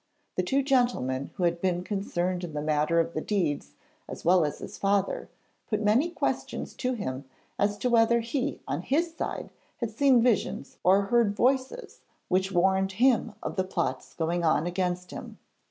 The two gentlemen who had been concerned in the matter of the deeds, as well as his father, put many questions to him as to whether he on his side had seen visions or heard voices which warned him of the plots going on against him.